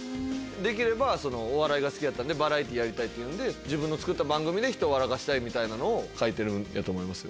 できればお笑いが好きやったんでバラエティーやりたいんで自分の番組でひとを笑かしたいみたいなのを書いてると思います。